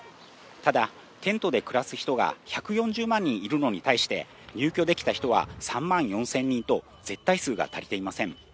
ただ、テントで暮らす人が１４０万人いるのに対して、入居できた人は３万４０００人と、絶対数が足りていません。